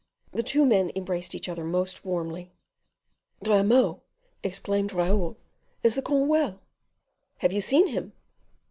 The two men embraced each other most warmly. "Grimaud," exclaimed Raoul, "is the comte well?" "Have you seen him?"